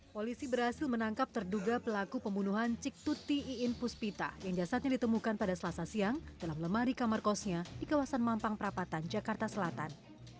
polisi berhasil menangkap terduga pelaku pembunuhan cik tuti iin puspita yang jasadnya ditemukan pada selasa siang dalam lemari kamar kosnya di kawasan mampang perapatan jakarta selatan